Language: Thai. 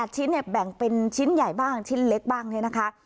ชิ้นเนี่ยแบ่งเป็นชิ้นใหญ่บ้างชิ้นเล็กบ้างเนี่ยนะคะ